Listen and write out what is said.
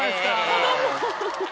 子供。